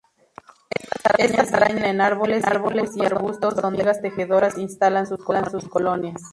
Estas arañas viven en árboles y arbustos donde las hormigas tejedoras instalan sus colonias.